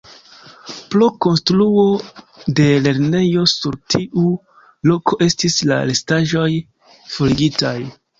Pro konstruo de lernejo sur tiu loko estis la restaĵoj forigitaj.